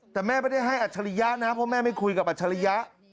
แต่แม่ไม่ได้ให้อัจฉริยะนะเพราะแม่ไม่คุยกับอัจฉริยะ